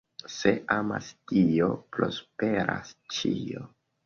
Se amas Dio, prosperas ĉio.